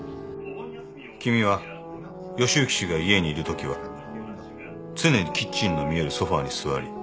君は義之氏が家にいるときは常にキッチンの見えるソファに座り。